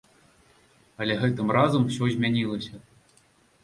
Але гэтым разам усё змянілася.